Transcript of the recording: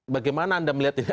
bagaimana anda melihat ini